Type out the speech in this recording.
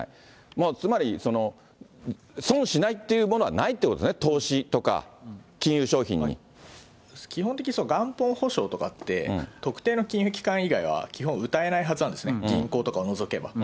もうつまり、損しないというものはないってことですね、基本的、元本保証とかって、特定の金融機関以外は基本、うたえないはずなんですね、銀行とかを除けば。